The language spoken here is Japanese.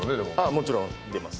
もちろん出ます。